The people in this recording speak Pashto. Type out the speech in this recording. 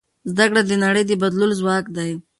زده کړه د نړۍ د بدلولو ځواک دی.